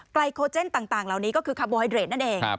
โคเจนต่างเหล่านี้ก็คือคาร์โบไฮเดรดนั่นเอง